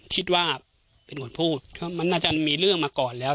คิดว่าเป็นคนพูดมันน่าจะมีเรื่องมาก่อนแล้ว